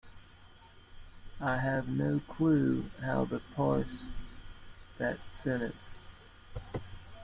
I have no clue how to parse that sentence.